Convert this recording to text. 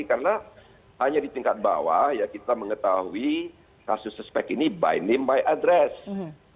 karena hanya di tingkat bawah ya kita mengetahui kasus sespek ini by name by address